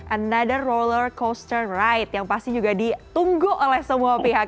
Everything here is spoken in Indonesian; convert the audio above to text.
another roller coaster right yang pasti juga ditunggu oleh semua pihak